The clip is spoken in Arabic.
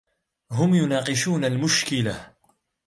هم يناقشون المشكلة.